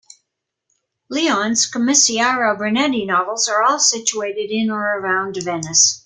Leon's Commissario Brunetti novels are all situated in or around Venice.